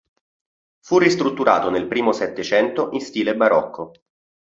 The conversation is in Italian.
Fu ristrutturato nel primo Settecento in stile barocco.